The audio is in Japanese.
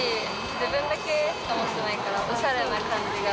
自分だけのものじゃないかな、おしゃれな感じが。